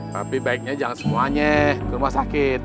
tapi baiknya jangan semuanya ke rumah sakit